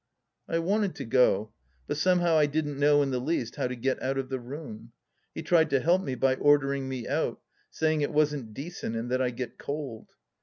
I wanted to go, but somehow I didn't know in the least how to get out of the room. He tried to help me by ordering me out, saying it wasn't decent, and that I'd get cold.